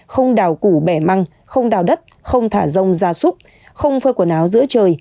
không đào củ bẻ măng không đào đất không thả rông gia súc không phơi quần áo giữa trời